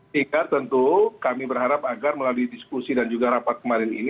sehingga tentu kami berharap agar melalui diskusi dan juga rapat kemarin ini